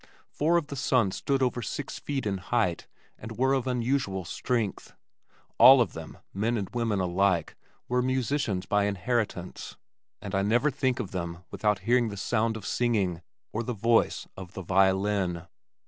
Four of the sons stood over six feet in height and were of unusual strength. All of them men and women alike were musicians by inheritance, and I never think of them without hearing the sound of singing or the voice of the violin.